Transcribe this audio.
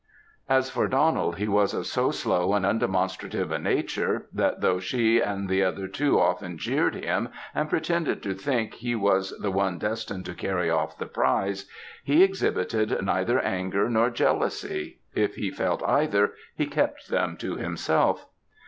As for Donald, he was of so slow and undemonstrative a nature, that though she and the other two often jeered him, and pretended to think he was the one destined to carry off the prize, he exhibited neither anger nor jealousy; if he felt either, he kept them to himself.